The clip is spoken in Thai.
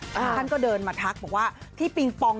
ท่านก็เดินมาทักบอกว่าที่ปิงปอง